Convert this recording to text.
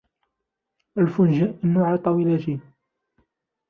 الفنجان علي الطاولة.